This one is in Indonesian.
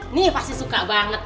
ini pasti suka banget